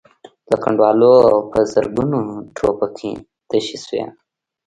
له کنډوالو په زرګونو ټوپکې تشې شوې.